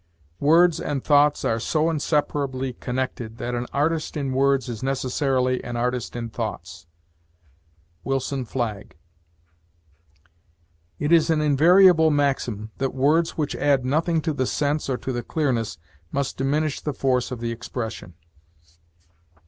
Words and thoughts are so inseparably connected that an artist in words is necessarily an artist in thoughts. WILSON FLAGG. It is an invariable maxim that words which add nothing to the sense or to the clearness must diminish the force of the expression.